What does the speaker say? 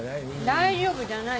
大丈夫じゃない。